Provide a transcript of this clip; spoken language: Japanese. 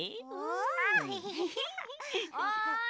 ・おい！